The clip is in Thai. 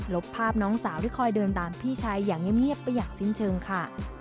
บภาพน้องสาวที่คอยเดินตามพี่ชายอย่างเงียบไปอย่างสิ้นเชิงค่ะ